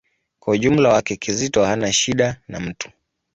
Kwa ujumla wake, Kizito hana shida na mtu.